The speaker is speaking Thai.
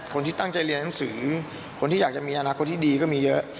คนที่ตั้งใจเรียนหนังสือคนที่อยากจะมีอนาคตที่ดีก็มีเยอะ